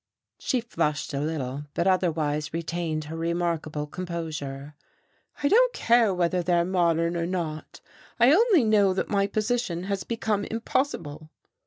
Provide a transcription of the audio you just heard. She flushed a little, but otherwise retained her remarkable composure. "I don't care whether they are 'modern' or not, I only know that my position has become impossible."